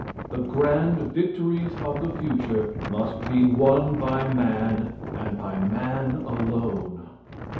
The grand victories of the future must be won by man, and by man alone.